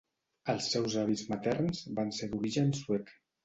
Els seus avis materns van ser d'origen suec.